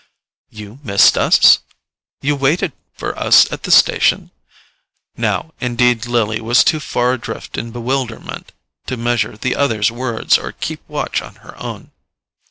"You missed us? You waited for us at the station?" Now indeed Lily was too far adrift in bewilderment to measure the other's words or keep watch on her own.